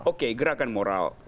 oke gerakan moral